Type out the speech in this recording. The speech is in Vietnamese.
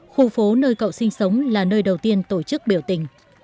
khu phố nơi cậu sinh sống là nơi đầu tiên tổ chức biểu tình